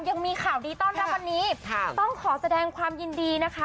ยังมีข่าวดีต้อนรับวันนี้ต้องขอแสดงความยินดีนะคะ